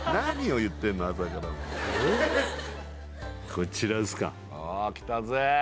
こちらですかおおきたぜ！